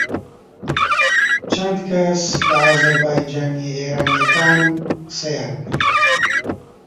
چەند کەس لە ئازەربایجانییە ئێرانییەکان قسەیان کرد